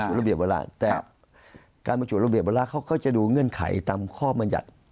บรรจุระเบียบเวลาครับแต่การบรรจุระเบียบเวลาเขาก็จะดูเงื่อนไขตามข้อมัญญัติ